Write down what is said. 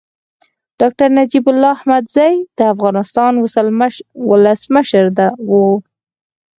ډاکټر نجيب الله احمدزی د افغانستان ولسمشر و.